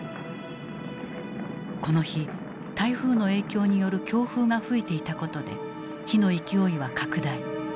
この日台風の影響による強風が吹いていたことで火の勢いは拡大。